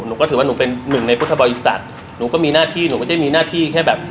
หนูก็ถือว่าหนูเป็นหนึ่งในพุทธบริษัทหนูก็มีหน้าที่หนูก็จะมีหน้าที่แค่แบบ